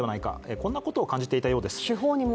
こんなことを感じていたようです。